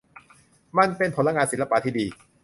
มันเป็นผลงานศิลปะที่ดี